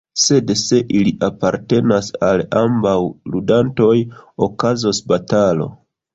Sed se ili apartenas al ambaŭ ludantoj, okazos batalo.